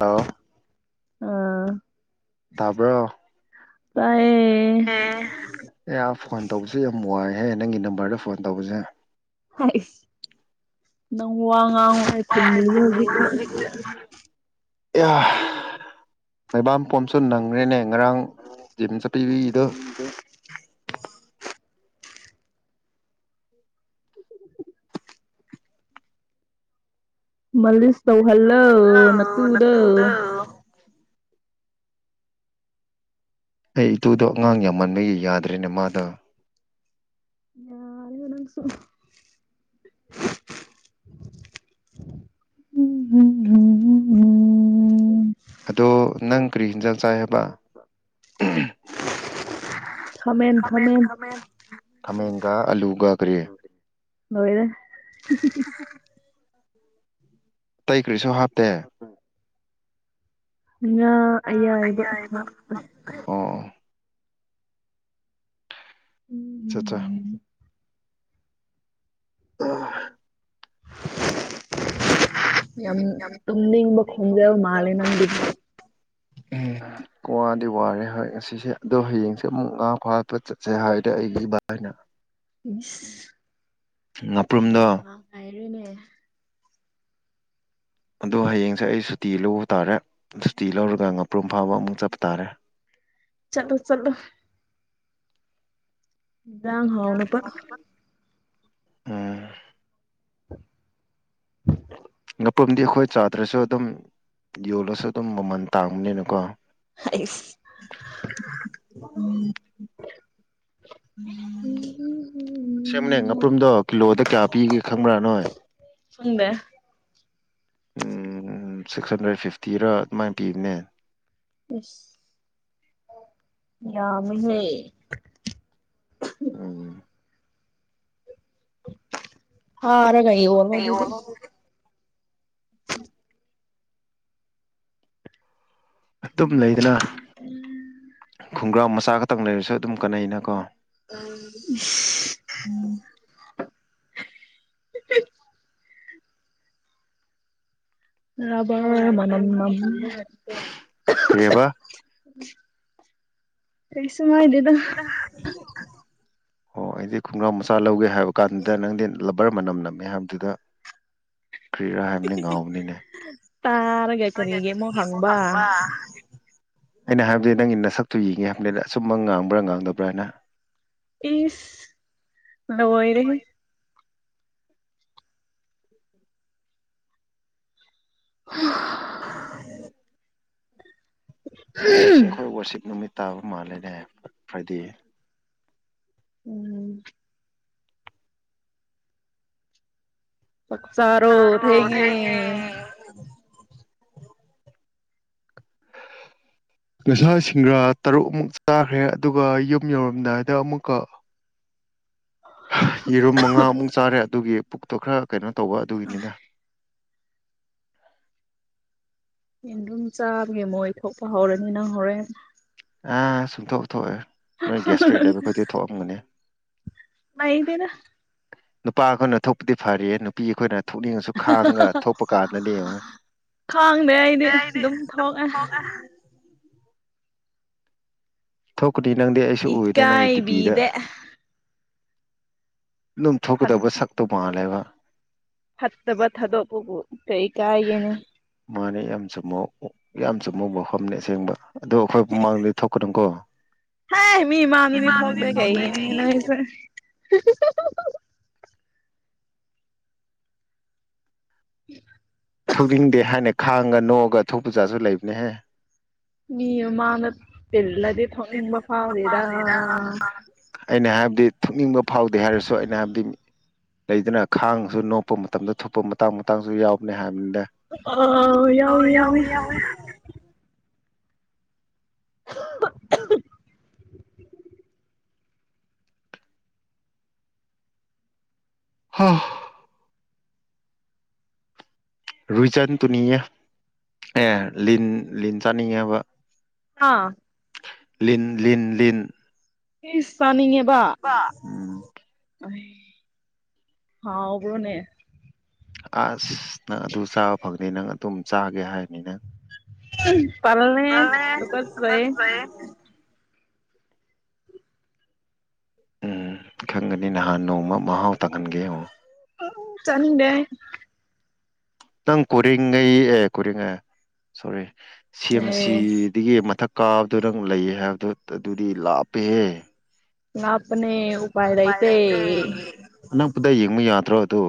ꯑꯣ ꯑꯥ ꯇꯥꯕ꯭ꯔꯣ ꯇꯥꯢꯌ‌ꯦ ꯎꯝ [unintelligible] ꯐꯣꯟ ꯇꯧꯕꯁꯦ ꯌꯥꯝ ꯋꯥꯢꯌꯦ ꯅꯪꯒꯤ ꯅꯝꯕꯔꯗ ꯐꯣꯟ ꯇꯧꯕꯁꯦ ꯍꯥꯏꯁ ꯅꯪ ꯋꯥ ꯉꯥꯡ ꯍꯧꯖꯤꯛꯇ [unintelligible] [unintelligible] ꯃꯩꯕꯥꯝꯄꯣꯝꯁꯨ ꯅꯪꯒ꯭ꯔꯦꯅꯦ ꯉꯔꯥꯡ ꯖꯤꯝ ꯆꯠꯄꯤꯔꯤꯗꯣ ꯃꯜꯂꯤꯁ ꯇꯧꯍꯜꯂꯣ ꯅꯇꯨꯗꯣ ꯑꯩ ꯏꯇꯨꯗꯣ ꯑꯉꯥꯡ ꯌꯥꯝꯃꯟꯕꯒꯤ ꯌꯥꯗ꯭ꯔꯦꯅꯦ ꯃꯥꯗꯣ ꯌꯥꯔꯦꯗ ꯅꯪꯁꯨ [unintelligible] ꯑꯗꯣ ꯅꯪ ꯀꯔꯤ ꯍꯤꯟꯖꯥꯡ ꯆꯥꯏ ꯍꯥꯏꯕ ꯈꯥꯃꯦꯟ ꯥꯈꯥꯃ‌ꯦꯟ ꯈꯥꯃꯦꯟ ꯈꯥꯃ‌ꯦꯟ ꯈꯥꯃꯦꯟꯒ ꯑꯂꯨꯒ ꯀꯔꯤ ꯂ‌ꯣꯏꯔ‌ꯦ [unintelligible] ꯇꯩ ꯀ꯭ꯔꯤꯁꯨ ꯍꯥꯞꯇꯦ ꯉꯥ ꯑ ꯑꯌꯥꯏꯕ ꯍꯥꯞ ꯍꯥꯞꯇꯦ꯫ ꯑꯣ ꯆꯠꯆꯥ [unintelligible] ꯌꯥꯝ ꯇꯨꯝꯅꯤꯡꯕ ꯈꯨꯝꯕ ꯌꯥꯝ ꯃꯥꯟꯂꯦ ꯅꯪ ꯃꯥꯜꯂꯦ ꯎꯝ ꯋꯥꯗꯤ ꯋꯥꯔꯦ ꯍꯣꯏ ꯉꯁꯤꯁꯦ ꯑꯗꯣ ꯍꯌꯦꯡꯁꯦ ꯑꯃꯨꯛ ꯉꯥ ꯐꯥꯕ ꯆꯠꯁꯦ ꯍꯥꯏꯔꯗꯤ ꯑꯩꯒꯤ ꯏꯕꯥꯢꯅ ꯏꯁ ꯉꯥꯄ꯭ꯔꯨꯝꯗꯣ [unintelligible] ꯑꯗꯣ ꯍꯌꯦꯡꯁꯦ ꯑꯩ ꯁꯨꯇꯤ ꯂꯧꯕ ꯇꯥꯔꯦ ꯁꯨꯇꯤ ꯂꯧꯔꯒ ꯉꯥꯄ꯭ꯔꯨꯝ ꯐꯥꯕ ꯑꯃꯨꯛ ꯆꯠꯄ ꯇꯥꯔꯦ ꯆꯠꯂꯨ ꯆꯠꯂꯨ ꯖꯥꯡ ꯍꯥꯎꯅꯄꯥ ꯎꯝ [inaudible] ꯉꯄ꯭ꯔꯨꯝꯗꯤ ꯑꯩꯈꯣꯏ ꯆꯥꯗ꯭ꯔꯁꯨ ꯑꯗꯨꯝ ꯌꯣꯜꯂꯁꯨ ꯑꯗꯨꯝ ꯃꯃꯜ ꯇꯥꯡꯕꯅꯤꯅꯀꯣ ꯍꯩꯁ [unintelligible] ꯁꯦꯡꯕꯅꯦ ꯉꯄ꯭ꯔꯨꯝꯗꯣ ꯀꯤꯂꯣꯗ ꯀꯌꯥ ꯄꯤꯒꯦ ꯈꯪꯕ꯭ꯔꯥ ꯅꯣꯏ ꯈꯪꯗꯦ ꯎꯝ ꯁꯤꯛꯁ ꯍꯟꯗ꯭ꯔꯦꯠ ꯐꯤꯐꯇꯤꯔꯥ ꯑꯗꯨꯃꯥꯏ ꯄꯤꯕꯅꯦ ꯢꯂ ꯌꯥꯝꯃꯦꯍꯩ ꯎꯝ ꯐꯥꯔꯒ ꯌꯣꯜ ꯌꯣꯜꯂꯣ ꯑꯇꯨꯝ ꯂꯩꯗꯅ ꯈꯣꯡꯒ꯭ꯔꯥꯥꯎ ꯃꯆꯥ ꯉꯇꯪ ꯂꯩꯔꯁꯨ ꯑꯗꯨꯝ ꯀꯥꯟꯅꯩꯩꯅꯀꯣ [unintelligible] [inaudible] ꯀꯔꯤ ꯍꯥꯏꯕ [unintelligible] ꯀꯩꯁꯨꯝ ꯍꯥꯏꯗꯦꯗ [unintelligible] ꯑꯣ ꯑꯩꯗꯤ ꯈꯣꯡꯒ꯭ꯔꯥꯎ ꯃꯆꯥ ꯂꯧꯒꯦ ꯍꯥꯏꯕ ꯀꯥꯟꯗꯨꯗ ꯅꯪꯗꯤ ꯂꯕꯔ ꯃꯅꯝ ꯅꯝꯃꯦ ꯍꯥꯏꯕꯗꯨꯗ ꯀ꯭ꯔꯤꯔꯥ ꯍꯥꯏꯕꯅꯤ ꯉꯥꯎꯕꯅꯤꯅꯦ ꯇꯥꯔꯩ [unintelligible] ꯑꯩꯅ ꯍꯥꯏꯕꯗꯤ ꯅꯪꯒꯤ ꯅꯁꯛꯇꯨ ꯌꯦꯡꯒꯦ ꯍꯥꯏꯕꯅꯤꯗ ꯑꯆꯨꯝꯕ ꯉꯥꯡꯕ꯭ꯔꯥ ꯉꯥꯡꯗꯕ꯭ꯔꯥ ꯑꯅꯥ ꯏꯁ ꯂꯣꯏꯔꯦꯍꯦ ꯍꯥ ꯉꯁꯤꯁꯦ ꯑꯩꯈꯣꯏ ꯋꯥꯔꯁꯤꯞ ꯅꯨꯃꯤꯠ ꯇꯥꯕ ꯃꯥꯜꯂꯦꯅꯦ ꯐ꯭ꯔꯥꯏꯗꯦ ꯎꯝ ꯆꯥꯛ ꯆꯥꯔꯣ ꯊꯦꯡꯉꯦ [inaudible] ꯉꯁꯥꯏ ꯁꯤꯡꯒ꯭ꯔꯥ ꯇꯔꯨꯛ ꯑꯃꯨꯛ ꯆꯥꯈ꯭ꯔꯦ ꯑꯗꯨꯒ ꯌꯨꯝ ꯌꯧꯔꯝꯗꯥꯏꯗ ꯑꯃꯨꯛꯀ [inaudible] ꯍꯥ ꯌꯦꯔꯨꯝ ꯃꯉꯥꯃꯨꯛ ꯆꯥꯔꯦ ꯑꯗꯨꯒꯤ ꯄꯨꯛꯇꯣ ꯈꯔ ꯀꯩꯅꯣ ꯇꯧꯕ ꯑꯗꯨꯒꯤꯅꯤꯗ ꯌꯦꯔꯨꯝ ꯆꯥꯕꯒꯤ ꯃꯣꯏ ꯊꯣꯛꯄ ꯍꯧꯔꯅꯤ ꯅꯪ ꯍꯧꯔꯦꯟ ꯑꯥ ꯁꯨꯛꯊꯣꯛ ꯊꯣꯛꯑꯣꯏ ꯅꯣꯏ ꯒ꯭ꯌꯥꯁꯇ꯭ꯔꯤꯛ ꯂꯩꯕ ꯈꯣꯏꯗꯤ ꯊꯣꯛꯑꯝꯒꯅꯤ ꯂꯩꯇꯦꯗ ꯅꯨꯄꯥ ꯑꯩꯈꯣꯏꯅ ꯊꯣꯛꯄꯗꯤ ꯐꯔꯤꯍꯦ ꯅꯨꯄꯤ ꯑꯩꯈꯣꯏꯅ ꯊꯣꯛꯅꯤꯡꯉꯁꯨ ꯈꯥꯡꯉꯒ ꯊꯣꯛꯄ ꯀꯥꯟꯗꯗꯤ ꯌꯦꯡꯉꯣ ꯑꯩꯗꯤ ꯑꯗꯨꯝ ꯊꯣꯛꯑꯦ ꯊꯣꯛꯀꯅꯤ ꯅꯪꯗꯤ ꯑꯩꯁꯨ ꯎꯏꯗ ꯅꯪꯒꯤ ꯗꯤꯄꯤꯗ ꯏꯀꯥꯏꯕꯤꯗꯦ ꯑꯗꯨꯝ ꯐꯠ ꯊꯣꯛꯀꯗꯕ ꯁꯛꯇꯣ ꯃꯥꯜꯂꯦꯕ ꯐꯠꯇꯕ ꯊꯗꯣꯛꯄꯕꯨ ꯀꯩ ꯀꯥꯏꯒꯦꯅꯦ ꯃꯥꯅꯦ ꯌꯥꯝ ꯆꯨꯝꯕ ꯋꯥ ꯌꯥꯝ ꯆꯨꯝꯕ ꯃꯐꯝꯅꯦ ꯑꯁꯦꯡꯕ ꯑꯗꯣ ꯑꯩꯈꯣꯏ ꯃꯥꯡꯗ ꯊꯣꯛꯀꯅꯨꯀꯣ ꯍꯥꯏ ꯃꯤ ꯃꯥꯡꯗꯗꯤ ꯏꯃꯥꯡꯗꯗꯤ [unintelligible] ꯊꯣꯛꯇꯦ ꯀꯩꯒꯤꯅꯣ ꯀꯩꯒꯤ ꯅꯣꯏꯖꯨ [unintelligible] [inaudible] ꯊꯧꯅꯤꯡꯗꯦ ꯍꯥꯏꯅ ꯈꯥꯡꯉꯒ ꯅꯣꯛꯑꯒ ꯊꯣꯛꯄ ꯖꯥꯠꯁꯨ ꯂꯩꯕꯅꯦꯍꯦ ꯃꯤ ꯃꯥꯃꯥꯡꯗ ꯇꯤꯜꯂꯗꯤ ꯊꯣꯛꯅꯤꯡꯕ ꯐꯥꯎꯗꯦꯗ ꯑꯩꯅ ꯍꯥꯏꯕꯗꯤ ꯊꯣꯛꯅꯤꯡꯕ ꯐꯥꯎꯗꯦ ꯍꯥꯏꯔꯁꯨ ꯑꯩꯅ ꯍꯥꯏꯕꯗꯤ ꯂꯩꯗꯅ ꯈꯥꯡꯁꯨ ꯅꯣꯛꯄ ꯃꯇꯝꯗ ꯊꯣꯛꯄ ꯃꯇꯥꯡ ꯃꯇꯥꯡꯖꯨ ꯌꯥꯎꯕꯅꯦ ꯍꯥꯏꯕꯅꯦꯗ ꯑ ꯑꯥ ꯌꯥꯎꯋꯦ ꯌꯥꯎꯋꯦ ꯌꯥꯎꯏ ꯌꯥꯎꯏ ꯍꯥ ꯔꯨꯏꯆꯟ ꯇꯨꯅꯤꯌꯦ ꯑꯦ ꯂꯤꯟ ꯂꯤꯟ ꯆꯥꯅꯤꯡꯉꯦꯕ ꯍꯥ ꯂꯤꯟ ꯂꯤꯟ ꯂꯤꯟ ꯏꯁ ꯆꯥꯅꯤꯡꯉꯦꯕꯥ ꯕꯥ ꯎꯝ ꯑꯣꯏ ꯍꯥꯎꯕ꯭ꯔꯣꯅꯦ ꯑꯁ ꯅꯪ ꯑꯗꯨ ꯆꯥꯕ ꯐꯪꯉꯗꯤ ꯅꯪ ꯑꯗꯨꯝ ꯆꯥꯒꯦ ꯍꯥꯏꯒꯅꯤꯗ ꯎꯝ ꯇꯜꯂꯦꯍꯦ ꯇꯨꯒꯠꯆꯩ ꯎꯝ ꯈꯪꯒꯅꯤ ꯅꯍꯥꯟ ꯅꯣꯡꯃ ꯃꯍꯥꯎ ꯇꯪꯍꯟꯒꯦ ꯌꯦꯡꯉꯣ [unintelligible] ꯆꯥꯅꯤꯡꯗꯦ ꯅꯪ ꯀꯣꯔ‌ꯦꯡꯒꯩ ꯑꯦ ꯀꯣꯔ‌ꯦꯡꯒꯩ ꯁꯣꯔꯤ ꯁꯤ ꯑꯦꯝ ꯁꯤ ꯑꯩ ꯗꯒꯤ ꯃꯊꯛ ꯀꯥꯕꯗꯣ ꯅꯪ ꯂꯩꯌꯦ ꯍꯥꯏꯕꯗꯣ ꯑꯗꯨꯗꯤ ꯂꯥꯞꯄꯦꯍꯦ ꯂꯥꯞꯄꯅꯦ ꯎꯄꯥꯥꯏ ꯎꯄꯥꯏ ꯂꯩꯇ‌ꯦ ꯂꯩꯇꯦ ꯑꯅꯛꯄꯗ ꯌꯦꯡꯕ ꯌꯥꯗ꯭ꯔꯣ ꯑꯗꯣ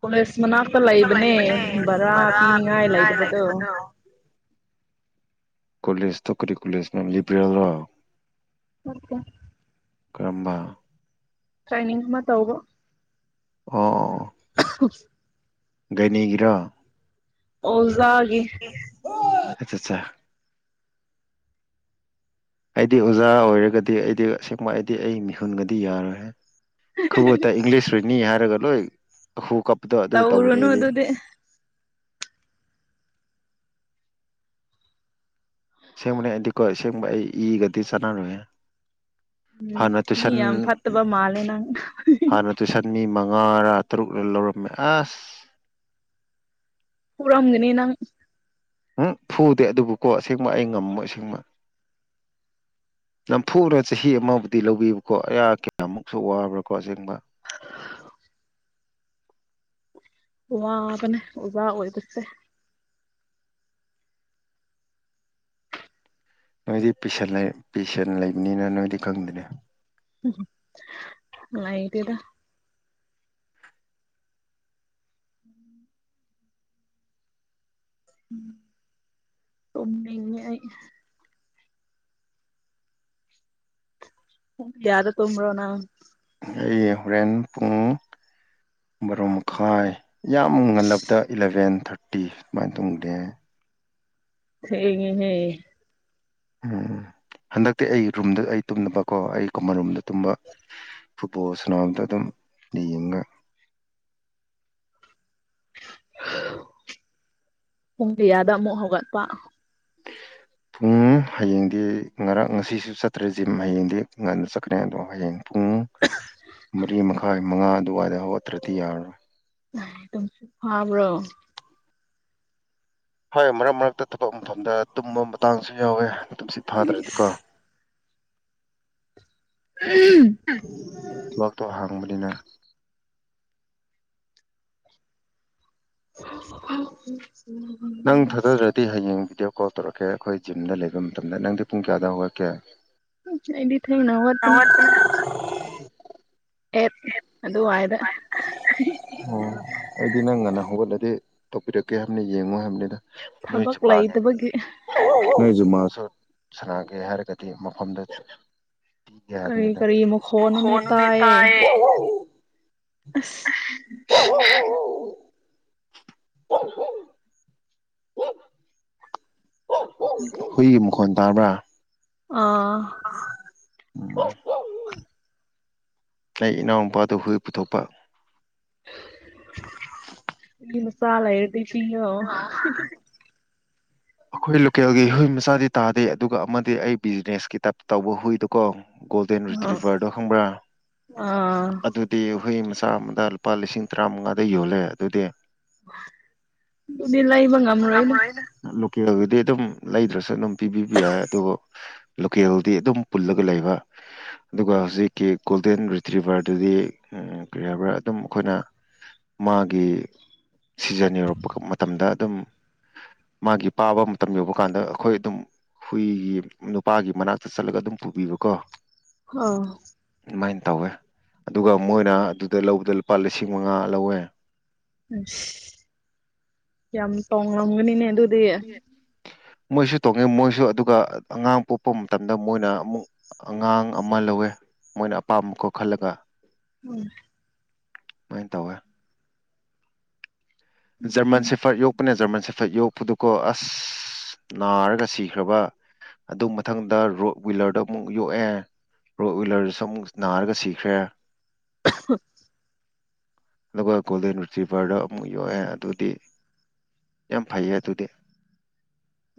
ꯀꯣꯂꯦꯖ ꯃꯅꯥꯛꯇ ꯇ ꯂꯩꯕꯅꯦ ꯚꯔꯥ ꯕꯔꯥ ꯄꯤꯅꯤꯡꯉꯥꯏ ꯂꯩꯇꯕꯗꯣ ꯂꯩꯕꯗꯣ ꯀꯣꯂꯦꯖ ꯇ‌ꯣ ꯀꯔꯤ ꯀꯣꯂꯦꯖꯅ‌ꯣ ꯂꯤꯕꯔꯦꯜ ꯔꯣ ꯅꯠꯇ‌ꯦ ꯀꯔꯝꯕ ꯇ꯭ꯔꯦꯅꯤꯡ ꯑꯃ ꯇꯧꯕ ꯑꯣꯑꯣ [inaudible] ꯒꯥꯏꯅꯤꯒꯤꯔ‌ꯣ ꯑꯣꯖꯥꯒꯤ ꯍ‌ꯣ ꯑꯠꯆꯥ ꯆꯥ ꯑꯩꯗꯤ ꯑꯣꯖꯥ ꯑꯣꯏꯔꯒꯗꯤ ꯑꯩꯗꯤ ꯑꯁꯦꯡꯕ ꯑꯩꯗꯤ ꯑꯩ ꯃꯤꯍꯨꯟꯒꯗꯤ ꯌꯥꯔꯣꯏꯍ‌ꯦ ꯈꯨꯕꯨꯠꯇ ꯏꯪꯂꯤꯁ [unintelligible] ꯅꯤ ꯍꯥꯏꯔꯒ ꯂꯣꯏ ꯈꯨ ꯀꯞꯄꯗꯣ ꯑꯗꯨ ꯇꯧꯔ‌ꯦ ꯇꯧꯔꯨꯅꯨ ꯑꯩꯗꯤ ꯑꯗꯨꯗꯤ ꯑꯁ‌ꯦꯡꯕꯅꯦ ꯑꯩꯗꯤꯀꯣ ꯑꯁꯦꯡꯕ ꯑꯩ ꯏꯒꯗꯤ ꯆꯥꯟꯅꯔ‌ꯣꯏꯍ‌ꯦ ꯎꯝ ꯍꯥꯟꯅ ꯇꯨꯏꯁꯟ ꯃꯤ ꯌꯥꯝ ꯎ ꯐꯠꯇꯕ ꯃꯥꯜꯂꯦ ꯅꯪ ꯍꯥꯟꯅ ꯇꯨꯏꯁꯟ ꯃꯤ ꯃꯉꯥꯔꯥ ꯇꯔꯨꯛꯔ ꯂꯧꯔꯝꯃꯦ ꯑꯁ ꯐꯨꯔꯝꯒꯅꯤ ꯅꯪ ꯎꯝ ꯐꯨꯗꯦ ꯑꯗꯨꯕꯨꯀꯣ ꯑꯁꯦꯡꯕ ꯑꯩ ꯉꯝꯃꯣꯏ ꯑꯁꯦꯡꯕ ꯅꯝꯐꯨꯗ ꯆꯍꯤ ꯑꯃꯕꯨꯗꯤ ꯂꯧꯕꯤꯕꯀꯣ ꯑꯌꯥ ꯀꯌꯥꯃꯨꯛꯁꯨ ꯋꯥꯕ꯭ꯔꯥꯀꯣ ꯑꯁꯦꯡꯕ ꯋꯥꯕꯅꯦ ꯑꯣꯖꯥ ꯑꯣꯏꯕꯁ‌ꯦ ꯅꯣꯏꯗꯤ ꯄꯤꯁꯟ ꯂꯩ ꯄꯤꯁꯟ ꯂꯩꯕꯅꯤꯅ ꯅꯣꯏꯗꯤ ꯈꯪꯗ‌ꯅꯦ ꯥꯅꯨꯡꯉꯥꯏꯇꯦꯗ ꯎꯝ ꯎꯝ ꯇꯨꯝꯅꯤꯡꯉꯦ ꯑꯩ [unintelligible] ꯌꯥꯗ ꯇꯣꯝꯕ꯭ꯔꯣ ꯅꯪ ꯑꯩ ꯍꯣꯔꯦꯟ ꯄꯨꯡ ꯕꯥꯔꯣ ꯃꯈꯥꯏ ꯌꯥꯝ ꯉꯜꯂꯕꯗ ꯏꯂꯕꯦꯟ ꯊꯥꯔꯇꯤ ꯁꯨꯃꯥꯏꯟ ꯇꯨꯝꯗꯦ ꯊꯦꯡꯉ‌ꯦ ꯍꯦ ꯎꯝ ꯍꯟꯗꯛꯇꯤ ꯑꯩ ꯔꯨꯝꯗ ꯑꯩ ꯇꯨꯝꯃꯦꯕꯀꯣ ꯑꯩ ꯀꯨꯝꯃꯟ ꯔꯨꯝꯗ ꯇꯨꯝꯕ ꯐꯨꯠꯕꯣꯜ ꯁꯟꯅꯕꯗ‌ꯣ ꯑꯗꯨꯝ ꯌꯦꯡꯉꯒ ꯄꯨꯡ ꯀꯌꯥꯗ ꯑꯃꯨꯛ ꯍꯧꯒꯠꯄ ꯄꯨꯡ ꯍꯌꯦꯡꯗꯤ ꯉꯔꯥꯡ ꯉꯁꯤꯁꯨ ꯆꯠꯇ꯭ꯔꯦ ꯖꯤꯝ ꯍꯌꯦꯡꯗꯤ ꯉꯟꯅ ꯆꯠꯀꯅꯤ ꯑꯗꯣ ꯍꯌꯦꯡ ꯄꯨꯡ ꯃꯔꯤ ꯃꯈꯥꯏ ꯃꯉꯥ ꯑꯗꯨꯋꯥꯏꯗ ꯍꯧꯒꯠꯇ꯭ꯔꯗꯤ ꯌꯥꯔꯔꯣꯏ ꯇꯨꯝꯁꯤꯠ ꯐꯥꯕ꯭ꯔꯣ [unintelligible] ꯍꯣꯏ ꯃꯔꯛ ꯃꯔꯛꯇ ꯊꯕꯛ ꯃꯐꯝꯗ ꯇꯨꯝꯕ ꯃꯇꯥꯡꯁꯨ ꯌꯥꯎꯋꯦ ꯇꯨꯝꯁꯤꯠ ꯐꯥꯗ꯭ꯔꯗꯤꯀꯣ ꯏꯁ ꯎꯝ ꯕꯥꯛꯇꯣ ꯍꯥꯡꯕꯅꯤꯅ ꯎ ꯎ ꯅꯪ ꯊꯥꯖꯗ꯭ꯔꯗꯤ ꯍꯌꯦꯡ ꯚꯤꯗꯤꯑꯣ ꯀꯣꯜ ꯇꯧꯔꯛꯀꯦ ꯑꯩꯈꯣꯏ ꯖꯤꯝꯗ ꯂꯩꯕ ꯃꯇꯝꯗ ꯅꯪꯗꯤ ꯄꯨꯡ ꯀꯌꯥꯗ ꯍꯧꯒꯠꯀꯦ ꯎꯝ ꯑꯩꯗꯤ ꯊꯦꯡꯅ ꯍꯧꯒꯄꯟ ꯍꯧꯒꯠꯄꯅꯦ ꯑꯦꯞ ꯑꯗꯨ ꯋꯥꯏꯗ ꯑꯣ ꯑꯩꯗꯤ ꯅꯪ ꯉꯟꯅ ꯍꯧꯒꯠꯂꯗꯤ ꯇꯧꯄꯤꯔꯛꯀꯦ ꯍꯥꯏꯕꯅꯤ ꯌꯦꯡꯉꯨ ꯍꯥꯏꯕꯅꯤꯗ ꯂꯣꯏ ꯊꯕꯛ ꯆ ꯄꯥꯒꯦ ꯂꯩꯇꯕꯒꯤ ꯅꯣꯏꯖꯨ [unintelligible] ꯃꯥꯖꯨ ꯁꯥꯟꯅꯒꯦ ꯍꯥꯏꯔꯒꯗꯤ ꯃꯐꯝꯗ ꯀꯔꯤ ꯌꯥꯗꯦꯗ ꯀꯔꯤ ꯃꯈꯣꯟꯅꯣꯅꯦ ꯃꯈꫭꯟꯅꫭꯅꯦ ꯇꯥꯏꯌꯦ ꯇꯥꯌꯦ [unintelligible] ꯑꯁ [unintelligible] [unintelligible] ꯍꯨꯏꯒꯤ ꯃꯈꯣꯟ ꯇꯥꯕ꯭ꯔꯥ ꯑꯥ [unintelligible] ꯑꯩ ꯏꯅꯥꯎꯅꯨꯄꯥꯗꯨ ꯍꯨꯏ ꯄꯨꯊꯣꯛꯄ ꯍꯨꯏ ꯃꯆꯥ ꯂꯩꯔꯗꯤ ꯄꯤꯌꯣ ꯑꯈꯣꯏ ꯂꯣꯀꯦꯜꯒꯤ ꯍꯨꯏ ꯃꯆꯥꯗꯤ ꯇꯥꯗꯦ ꯑꯗꯨꯒ ꯑꯃꯗꯤ ꯑꯩ ꯕꯤꯖꯤꯅꯦꯁꯀꯤ ꯇꯥꯏꯞꯇ ꯇꯧꯕ ꯍꯨꯏꯗꯣ ꯀꯣ ꯒꯣꯜꯗꯦꯟ ꯑꯥ ꯔꯤꯇ꯭ꯔꯤꯚꯔꯗꯣ ꯈꯪꯕ꯭ꯔꯥ ꯑꯥ ꯑꯗꯨ ꯗꯤ ꯍꯨꯏ ꯃꯆꯥ ꯑꯝꯗ ꯂꯨꯄꯥ ꯂꯤꯁꯤꯡ ꯇ꯭ꯔꯥꯃꯉꯥꯗ ꯌꯣꯜꯂꯦ ꯑꯗꯨꯗꯤ ꯑꯗꯨꯗꯤ ꯂꯩꯕ ꯆꯠꯄ ꯉꯝꯔꯣꯏꯗ ꯉꯝꯔꫭꯏꯗ ꯂꯣꯀꯦꯜꯗꯗꯤ ꯑꯗꯨꯝ ꯂꯩꯗ꯭ꯔꯁꯨ ꯑꯗꯨꯝ ꯄꯤꯕꯤꯕ ꯌꯥꯏ ꯑꯗꯨ ꯂꯣꯀꯦꯜꯗꯤ ꯑꯗꯨꯝ ꯄꯨꯜꯂꯒ ꯂꯩꯕ ꯑꯗꯨꯒ ꯍꯧꯖꯤꯛꯀꯤ ꯒꯣꯜꯗꯦꯟ ꯔꯤꯇ꯭ꯔꯤꯚꯔ ꯗꯨꯗꯤ ꯀꯔꯤ ꯍꯥꯏꯕ꯭ꯔꯥ ꯑꯗꯨꯝ ꯑꯩꯈꯣꯏꯅ ꯃꯥꯒꯤ ꯁꯤꯖꯟ ꯌꯧꯔꯛꯄꯀ ꯃꯇꯝꯗ ꯑꯗꯨꯝ ꯃꯥꯒꯤ ꯄꯥꯕ ꯃꯇꯝ ꯌꯧꯕ ꯀꯥꯟꯗ ꯑꯈꯣꯏ ꯑꯗꯨꯝ ꯍꯨꯏ ꯅꯨꯄꯥꯒꯤ ꯃꯅꯥꯛꯇ ꯆꯠꯂꯒ ꯑꯗꯨꯝ ꯄꯨꯕꯤꯕꯀꯣ ꯑꯣ ꯃꯥꯏꯟ ꯇꯧꯋꯦ ꯑꯗꯨꯒ ꯃꯣꯏꯅ ꯑꯗꯨꯗ ꯂꯧꯕꯗ ꯂꯨꯄꯥ ꯂꯤꯁꯤꯡ ꯃꯉꯥ ꯂꯧꯋꯦ ꯑꯁ ꯌꯥꯝ ꯇꯣꯡꯔꯝꯒꯅꯤꯅꯦ ꯑꯗꯨ ꯃꯣꯏꯁꯨ ꯇꯣꯡꯉꯦ ꯃꯣꯏꯁꯨ ꯑꯗꯨꯒ ꯑꯉꯥꯡ ꯄꯣꯛꯄ ꯃꯇꯝꯗ ꯃꯣꯏꯅ ꯑꯃꯨꯛ ꯑꯉꯥꯡ ꯑꯃ ꯂꯧꯋꯦ ꯃꯣꯏꯅ ꯑꯄꯥꯝꯕ ꯀꯣ ꯈꯜꯂꯒ ꯎꯝ ꯃꯥꯏꯟ ꯇꯧꯋꯦ ꯖꯔꯃꯟ ꯁꯦꯐꯔꯗ ꯌꯣꯛꯄꯅꯦ ꯖꯔꯃꯟ ꯁꯦꯐꯔꯗ ꯌꯣꯛꯄꯗꯨꯀꯣ ꯑꯁ ꯅꯥꯔꯒ ꯁꯤꯈ꯭ꯔꯕ ꯑꯗꯨ ꯃꯊꯪꯗ ꯔꯣꯗꯋꯤꯂꯔ ꯗꫭ ꯑꯃꯨꯛ ꯌꯣꯛꯑꯦ ꯔꯣꯗꯋꯤꯂꯔꯗꯨꯁꯨ ꯑꯃꯨꯛ ꯅꯥꯔꯒ ꯁꯤꯈ꯭ꯔꯦ ꯑꯗꯨꯒ ꯒꯣꯜꯗꯦꯟ ꯔꯤꯇ꯭ꯔꯤꯗꯣ ꯑꯃꯨꯛ ꯌꯣꯛꯑꯦ ꯑꯗꯨꯗꯤ ꯌꯥꯝ ꯐꯩꯌꯦ ꯑꯗꯨꯗꯤ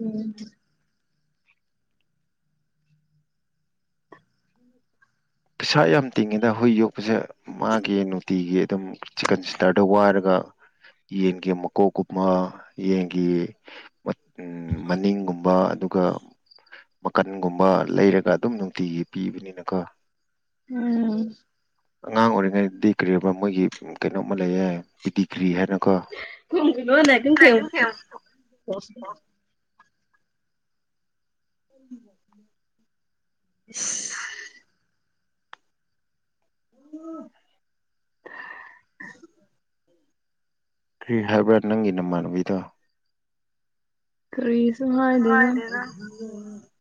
ꯎꯝ ꯄꯩꯁꯥ ꯌꯥꯝ ꯇꯤꯡꯉꯤꯗ ꯍꯨꯏ ꯌꯣꯛꯄꯁꯦ ꯃꯥꯒꯤ ꯅꯨꯇꯤꯒꯤ ꯑꯗꯨꯝ ꯆꯤꯀꯟ ꯁꯦꯟꯇꯔꯗ ꯋꯥꯏꯔꯒ ꯌꯦꯟꯒꯤ ꯃꯀꯣꯛ ꯀꯨꯝꯕ ꯌꯦꯟꯒꯤ ꯃꯠ ꯎꯝ ꯎꯝ ꯃꯅꯤꯡꯒꯨꯝꯕ ꯑꯗꯨꯒ ꯃꯀꯟꯒꯨꯝꯕ ꯂꯩꯔꯒ ꯑꯗꯨꯝ ꯅꯨꯡꯇꯤꯒꯤ ꯄꯤꯕꯅꯤꯅꯀꯣ ꯎꯝ ꯑꯉꯥꯡ ꯑꯣꯏꯔꯤꯉꯩꯗꯗꯤ ꯀꯔꯤ ꯑꯕ ꯃꯣꯏꯒꯤ ꯀꯩꯅꯣꯝꯃ ꯂꯩꯌꯦ ꯄꯤꯗꯤꯒ꯭ꯔꯤ ꯍꯥꯏꯅꯀꯣ [unintelligible] [unintelligible] [unintelligible] [unintelligible] ꯀ꯭ꯔꯤ ꯍꯥꯏꯕ ꯅꯪꯒꯤ ꯅꯃꯥꯟꯅꯕꯤꯗꯣ ꯀ꯭ꯔꯤꯁꯨ ꯍꯥꯏꯗꯦꯗ [unintelligible]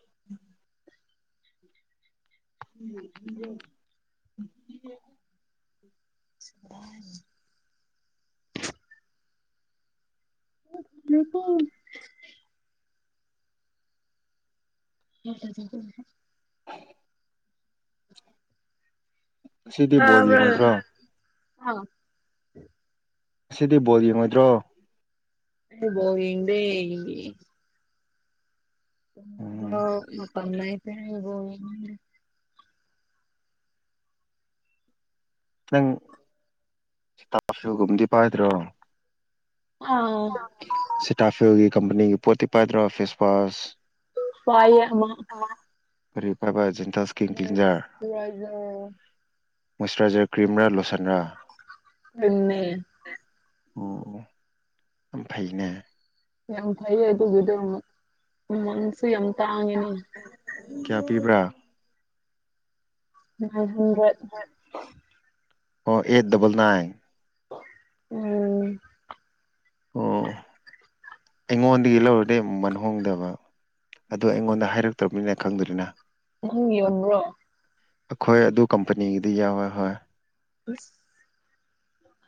[inaudible] [unintelligible] [unintelligible] [unintelligible] [unintelligible] [unintelligible] [unintelligible] ꯉꯁꯤꯗꯤ ꯕꯣꯜ ꯇꯥꯕ꯭ꯔꯣ ꯌꯦꯡꯉꯣꯏꯗ꯭ꯔꯣ ꯍꯥꯎ ꯉꯁꯤꯗꯤ ꯕꯣꯜ ꯌꯦꯡꯉꯣꯏꯗ꯭ꯔꯣ ꯑꯩꯗꯤ ꯕꯣꯜ ꯌꯦꯡꯗꯦ ꯎꯝ [unintelligible] ꯃꯇꯝ ꯂꯩꯇꯦ ꯑꯩ ꯕꯣꯜ ꯌꯦꯡꯕꯒꯤ ꯅꯪ ꯁꯤꯇꯥꯁꯨꯜ ꯒꯨꯝꯗꯤ ꯄꯥꯏꯗ꯭ꯔꯣ ꯍꯥ ꯁꯤꯇꯥꯁꯨꯜꯒꯤ ꯀꯝꯄꯅꯤꯒꯤ ꯄꯣꯠꯇꯤ ꯄꯥꯏꯗ꯭ꯔꯣ ꯐꯦꯁꯋꯥꯁ [unintelligible] ꯑꯃ ꯑꯥ ꯀꯔꯤ ꯄꯥꯏꯕ ꯖꯤꯟꯇꯁ ꯃꯣꯏꯁꯆꯨꯔꯥꯏꯖꯔ ꯃꯣꯏꯁꯆꯨꯔꯥꯏꯖꯔ ꯀ꯭ꯔꯤꯝꯔꯥ ꯂꯣꯁꯟꯔꯥ ꯀ꯭ꯔꯤꯝ ꯅꯦ ꯑꯣ ꯑꯝ ꯐꯩꯅꯦ ꯌꯥꯝ ꯐꯩꯌꯦ ꯑꯗꯨꯒꯤꯗꯣ ꯃꯃꯟꯁꯨ ꯌꯥꯝ ꯇꯥꯡꯉꯤꯅꯦ ꯀꯌꯥ ꯄꯤꯕ꯭ꯔꯥ ꯅꯥꯏꯟ ꯍꯟꯗ꯭ꯔꯦꯗ ꯑꯣ ꯑꯩꯠ ꯗꯕꯜ ꯅꯥꯏꯟ ꯎꯝ ꯑꯣ ꯑꯩꯉꯣꯟꯗꯒꯤ ꯂꯧꯔꯗꯤ ꯃꯃꯟ ꯍꯣꯡꯗꯕ ꯑꯗꯨ ꯑꯩꯉꯣꯟꯗ ꯍꯥꯏꯔꯛꯇ꯭ꯔꯕꯅꯤꯅ ꯈꯪꯗ꯭ꯔꯦꯅ ꯅꯪ ꯌꯣꯟꯕ꯭ꯔꯣ ꯑꯩꯈꯣꯏ ꯑꯗꯨ ꯀꯝꯄꯅꯤꯒꯤꯗꯤ ꯌꯥꯎꯋꯦ ꯍꯣꯏ ꯎꯁ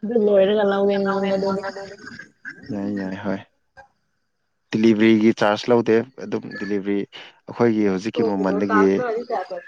ꯑꯗꯨ ꯂꯣꯏꯔꯒ ꯂꯧꯒꯦ ꯅꯪꯉꯣꯟꯗ ꯑꯗꯨꯗꯤ [unintelligible] ꯌꯥꯏ ꯌꯥꯏ ꯍꯣꯏ ꯗꯤꯂꯤꯕꯔꯤꯒꯤ ꯆꯥꯔꯖ ꯂꯧꯗꯦ ꯑꯗꯨꯝ ꯗꯤꯂꯤꯕꯔꯤ ꯑꯩꯈꯣꯏꯒꯤ ꯍꯧꯖꯤꯛꯀꯤ ꯃꯃꯜꯗꯒꯤ [unintelligible]